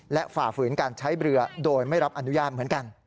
และฝ่าฝืนการใช้เรือโดยไม่รับอนุญาตเหมือนกัน